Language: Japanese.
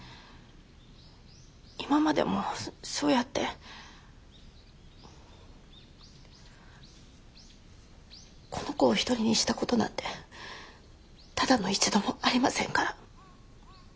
今までもそうやってこの子を一人にしたことなんてただの一度もありませんから。